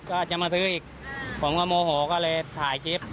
ก็จะมาซื้ออีกผมก็โมโหก็เลยถ่ายคลิป